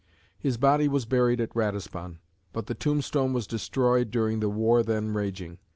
His body was buried at Ratisbon, but the tombstone was destroyed during the war then raging.